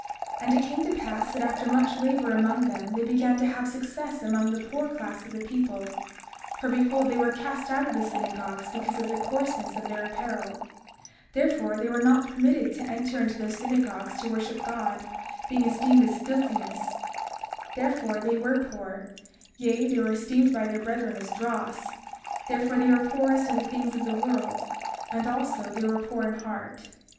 32:2 And it came to pass that after much labor among them, they began to have success among the poor class of people; for behold, they were cast out of the synagogues because of the coarseness of their apparel— 32:3 Therefore they were not permitted to enter into their synagogues to worship God, being esteemed as filthiness; therefore they were poor; yea, they were esteemed by their brethren as dross; therefore they were poor as to things of the world; and also they were poor in heart.